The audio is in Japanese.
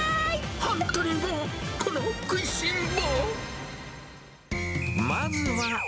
本当にもう、この食いしん坊。